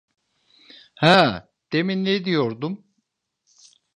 Ha, demin ne diyordum…